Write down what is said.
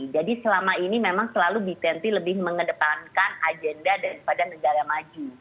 jadi selama ini memang selalu b dua puluh lebih mengedepankan agenda daripada negara maju